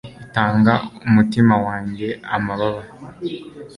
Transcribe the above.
itanga umutima wanjye amababa